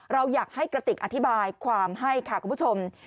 เราอยากให้กระติกอธิบายความให้ค่ะคุณผู้ชม